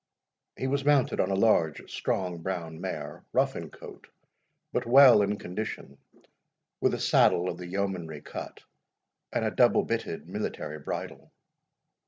He was mounted on a large strong brown mare, rough in coat, but well in condition, with a saddle of the yeomanry cut, and a double bitted military bridle.